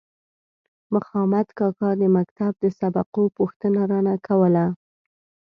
مخامد کاکا د مکتب د سبقو پوښتنه رانه کوله.